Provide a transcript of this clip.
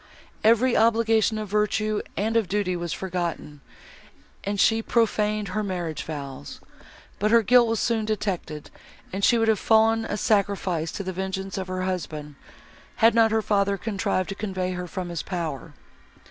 —Every obligation of virtue and of duty was forgotten, and she prophaned her marriage vows; but her guilt was soon detected, and she would have fallen a sacrifice to the vengeance of her husband, had not her father contrived to convey her from his power.